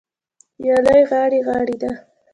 وياله غاړې غاړې ده.